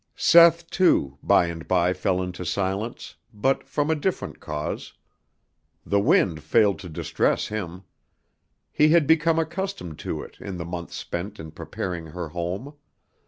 Seth, too, by and by fell into silence, but from a different cause. The wind failed to distress him. He had become accustomed to it in the months spent in preparing her home.